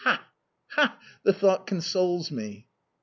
ha ! the thought consoles me."